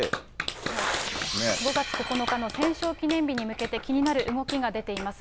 ５月９日の戦勝記念日に向けて、気になる動きが出ています。